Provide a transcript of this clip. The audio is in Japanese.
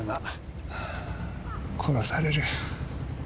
殺される。